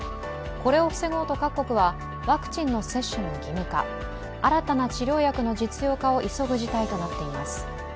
これを防ごうと各国はワクチンの接種の義務化、新たな治療薬の実用化を急ぐ事態となっています。